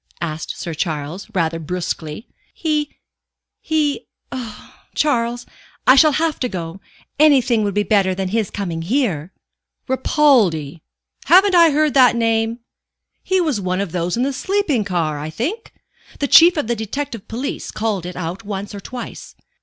asked Sir Charles, rather brusquely. "He he oh, Charles, I shall have to go. Anything would be better than his coming here." "Ripaldi? Haven't I heard the name? He was one of those in the sleeping car, I think? The Chief of the Detective Police called it out once or twice.